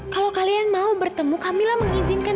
kalau kalian mau bertemu kamilah mengizinkan